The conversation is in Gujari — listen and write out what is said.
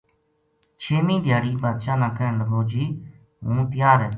چھیمی دھیاڑی بادشاہ نا کہن لگو جی ہوں تیار ہے